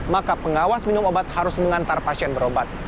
maka pengawas minum obat harus mengantar pasien berobat